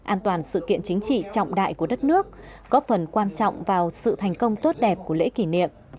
an toàn sự kiện chính trị trọng đại của đất nước góp phần quan trọng vào sự thành công tốt đẹp của lễ kỷ niệm